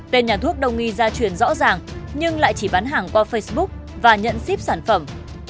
tên nhà thuốc đông y gia truyền rõ ràng nhưng lại chỉ bán hàng qua facebook và nhận ship sản phẩm